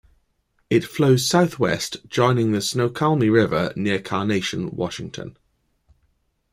It flows southwest joining the Snoqualmie River near Carnation, Washington.